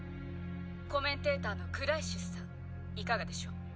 コメンテーターの暗井指数さんいかがでしょう？